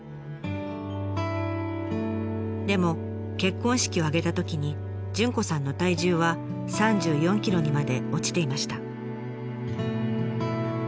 でも結婚式を挙げたときに潤子さんの体重は３４ｋｇにまで落ちていました。